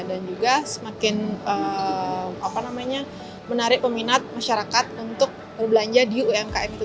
dan juga semakin menarik peminat masyarakat untuk berbelanja di umkm itu